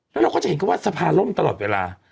แล้วเราก็จะเห็นเขาว่าสภาล่มตลอดเวลา